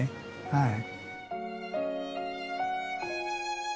はい。